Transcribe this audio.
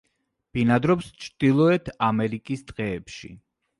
ბინადრობს ჩრდილოეთ ამერიკის ტყეებში.